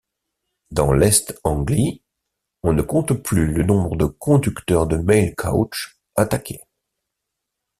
Dans l'Est-Anglie, on ne compte plus le nombre de conducteurs de mail coachs attaqués.